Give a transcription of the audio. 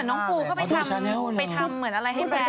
พี่น้องปูก็ไปทำแบบมะลายให้แบรนด์